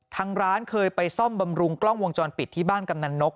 ทางร้านเคยไปซ่อมบำรุงกล้องวงจรปิดที่บ้านกำนันนก